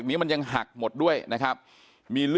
เป็นมีดปลายแหลมยาวประมาณ๑ฟุตนะฮะที่ใช้ก่อเหตุ